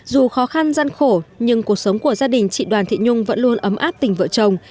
dù khó khăn gian khổ nhưng cuộc sống của gia đình chị đoàn thị nhung vẫn luôn ấm áp tình vợ chồng